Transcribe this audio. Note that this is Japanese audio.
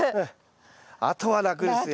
あとは楽ですよ。